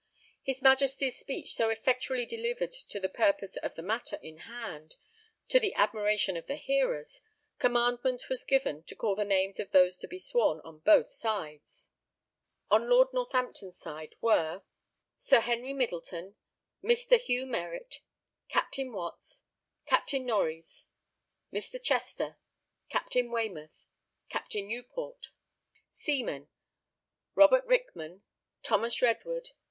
His Majesty's speech so effectually delivered to the purpose of the matter in hand to the admiration of the hearers, commandment was given to call the names of those to be sworn on both sides. On Lord Northampton's side were: Seamen. Sir Henry Middleton. Mr. Hugh Meritt. Captain Watts. Captain Norreys. Mr. Chester. Captain Waymouth. Captain Newport. Robert Rickman. Thomas Redwood.